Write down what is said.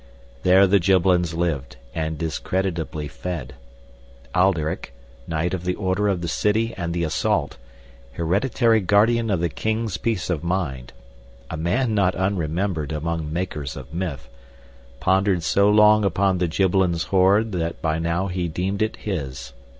There the Gibbelins lived and discreditably fed. Alderic, Knight of the Order of the City and the Assault, hereditary Guardian of the King's Peace of Mind, a man not unremembered among makers of myth, pondered so long upon the Gibbelins' hoard that by now he deemed it his.